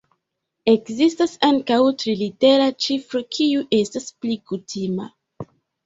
Ekzistas ankaŭ trilitera ĉifro kiu estas pli kutima.